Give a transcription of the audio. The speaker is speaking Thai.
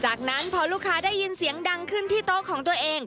จากนั้นพอลูกค้าได้ยินเสียงดังขึ้นที่โต๊ะของตัวเอง